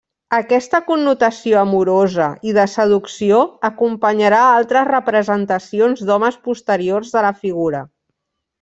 Aquesta connotació amorosa i de seducció acompanyarà altres representacions d'homes posteriors de la figura.